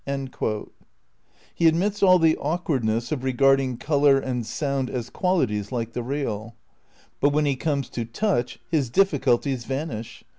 "* He admits all the awkwardness of regarding colour and sound as qualities like the real. But when he comes to touch his difficulties vanish.